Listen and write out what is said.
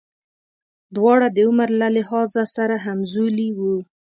دواړه د عمر له لحاظه سره همزولي وو.